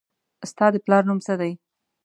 ستا د پلار نوم څه دي